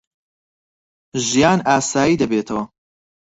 ژیان ئاسایی دەبێتەوە.